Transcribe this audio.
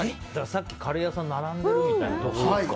さっき、カレー屋さんに並んでた時みたいなことか。